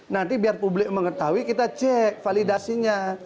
nanti biar publik mengetahui kita cek validasinya